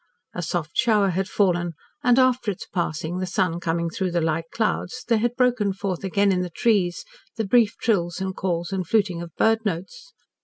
A soft shower had fallen, and after its passing, the sun coming through the light clouds, there had broken forth again in the trees brief trills and calls and fluting of bird notes.